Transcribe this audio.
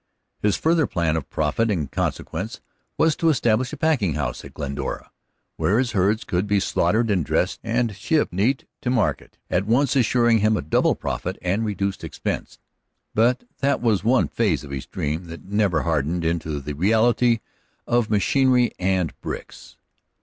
His further plan of profit and consequence was to establish a packing house at Glendora, where his herds could be slaughtered and dressed and shipped neat to market, at once assuring him a double profit and reduced expense. But that was one phase of his dream that never hardened into the reality of machinery and bricks.